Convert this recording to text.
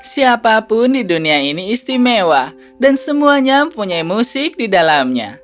siapapun di dunia ini istimewa dan semuanya punya musik di dalamnya